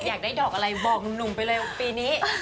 อยากได้ดอกอะไรบอกหนุ่มไปเลยว่าปีนี้